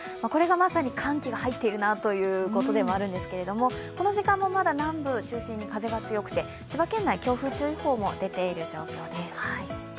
これがまさに寒気が入ってるなということでもあるんですけれどもこの時間もまだ南部を中心に風が強くて千葉県内、強風注意報も出ている状況です。